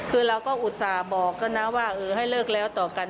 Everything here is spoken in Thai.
คือเราก็อุตส่าห์บอกก็นะว่าเออให้เลิกแล้วต่อกัน